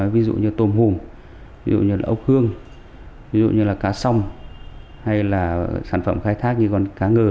ví dụ như tôm hùm ví dụ như là ốc hương ví dụ như là cá song hay là sản phẩm khai thác như con cá ngừ